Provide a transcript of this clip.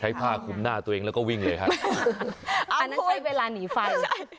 ผ้าคุมหน้าตัวเองแล้วก็วิ่งเลยครับอันนั้นใช้เวลาหนีไฟ